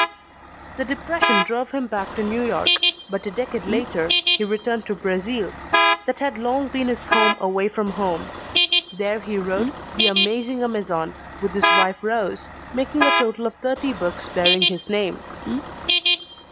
_ The depression drove him back to New York, but a decade later he returned to Brazil that had long been his home away from home. There he wrote The Amazing Amazon, with his wife Rose, making a total of thirty books bearing his name.